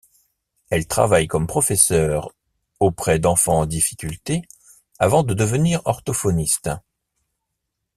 Elle travaille comme professeur auprès d'enfants en difficulté, avant de devenir orthophoniste.